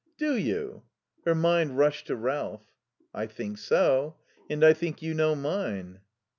"Do you?" Her mind rushed to Ralph. "I think so. And I think you know mine."